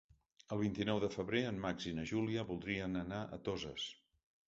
El vint-i-nou de febrer en Max i na Júlia voldrien anar a Toses.